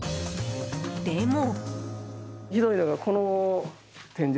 でも。